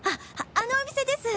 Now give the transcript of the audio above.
あのお店です！